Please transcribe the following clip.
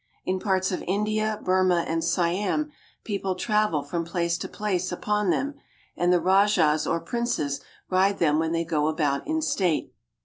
In parts of India, Burmah, and Siam people travel from place to place upon them, and the rajahs or princes ride them when they go about in state.